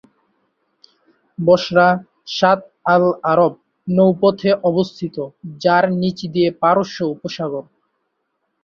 বসরা Shatt al Arab নৌপথে অবস্থিত, যার নিচ দিয়ে পারস্য উপসাগর।